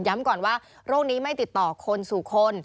ก่อนว่าโรคนี้ไม่ติดต่อคนสู่คน